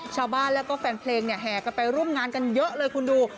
ชาวบ้านแล้วก็แฟนเพลงเนี่ยแห่กันไปร่วมงานกันเยอะเลยคุณดู